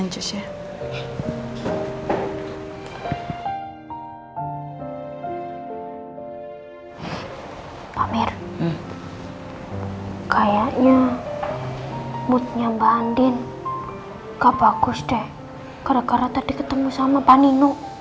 terus ya pak mir kayaknya moodnya mbak andin nggak bagus deh karena tadi ketemu sama panino